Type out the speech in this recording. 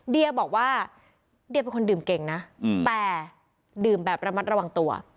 เดียบอกว่าเดียเป็นคนดื่มเก่งนะแต่ดื่มแบบระมัดระวังตัว